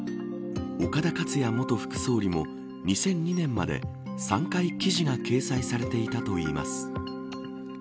岡田克也元副総理も２００２年まで３回記事が掲載されていたといいます。